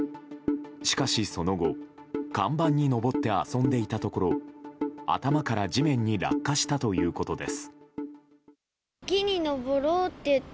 しかし、その後看板に登って遊んでいたところ頭から地面に落下したということです。